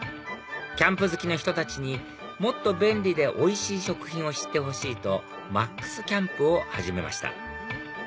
キャンプ好きの人たちにもっと便利でおいしい食品を知ってほしいとＭＡＸＣＡＭＰを始めました